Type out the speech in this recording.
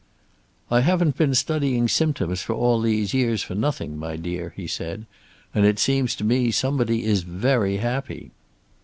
"I haven't been studying symptoms for all these years for nothing, my dear," he said. "And it seems to me somebody is very happy."